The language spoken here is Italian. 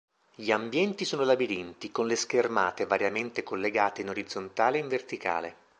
Gli ambienti sono labirinti, con le schermate variamente collegate in orizzontale e in verticale.